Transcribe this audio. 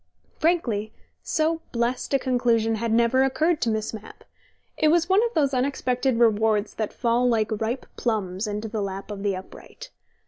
Frankly, so blest a conclusion had never occurred to Miss Mapp: it was one of those unexpected rewards that fall like ripe plums into the lap of the upright.